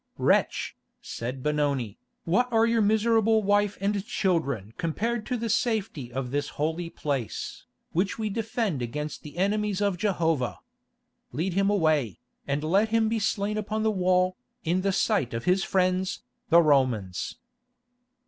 "Wretch," said Benoni, "what are your miserable wife and children compared to the safety of this holy place, which we defend against the enemies of Jehovah? Lead him away, and let him be slain upon the wall, in the sight of his friends, the Romans."